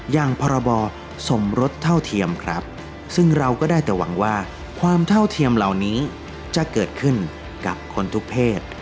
พรบสมรสเท่าเทียมครับซึ่งเราก็ได้แต่หวังว่าความเท่าเทียมเหล่านี้จะเกิดขึ้นกับคนทุกเพศ